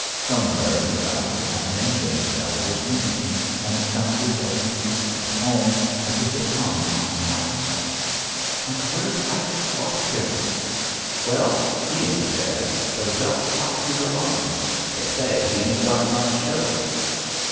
Somewhere in the valley an engine's bell was ringing, and it sounded of peace and home as if it hung on a cow's neck. "And where's Ike Watkins?" "Well, he ain't dead, but he got shot through the lungs. They say he ain't got much show."